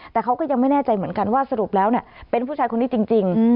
แต่เขาก็ยังไม่แน่ใจเหมือนกันว่าสรุปแล้วเป็นผู้ชายคนนี้จริง